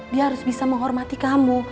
dia harus bisa menghormati kamu